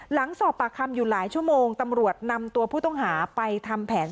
หลังสอบปากคำอยู่หลายชั่วโมงตำรวจนำตัวผู้ต้องหาไปทำแผน